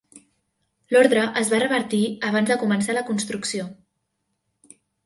L'ordre es va revertir abans de començar la construcció.